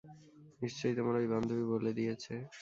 নিশ্চয়ই তোমার ওই বান্ধবী বলে দিয়েছে।